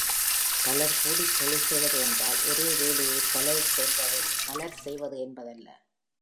பலர், கூடித் தொழில் செய்வது என்றால் ஒரே வேலையை பலர்செய்வது என்பதல்ல.